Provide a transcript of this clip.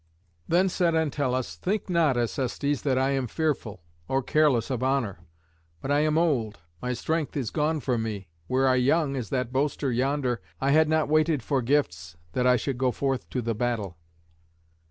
Then said Entellus, "Think not, Acestes, that I am fearful, or careless of honour. But I am old: my strength is gone from me. Were I young, as that boaster yonder, I had not waited for gifts that I should go forth to the battle."